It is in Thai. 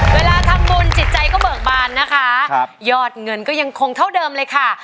เวลาทำบุญจิตใจก็เบิกบานนะคะยอดเงินก็ยังคงเท่าเดิมเลยค่ะ